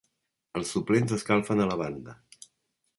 Els suplents escalfen a la banda.